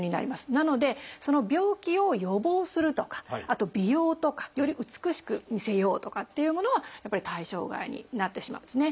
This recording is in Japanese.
なのでその病気を予防するとかあと美容とかより美しく見せようとかっていうものはやっぱり対象外になってしまうんですね。